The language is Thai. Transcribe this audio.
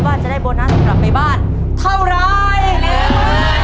ว่าจะได้โบนัสกลับไปบ้านเท่าไร